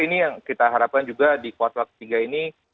ini yang kita harapkan juga di kuartal ketiga ini